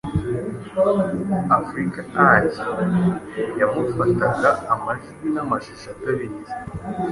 africa eye yamufataga amajwi n'amashusho atabizi,